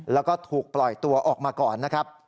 แล้วก็ถูกปล่อยตัวออกมาก่อนนะครับ